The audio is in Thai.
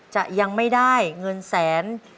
จะยังไม่ได้เงินแสน